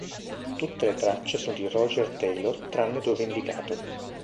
Tutte le tracce sono di Roger Taylor tranne dove indicato.